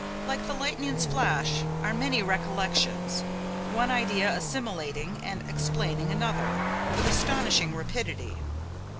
Like the lightning's flash are many recollections; one idea assimilating and explaining another, with astonishing rapidity.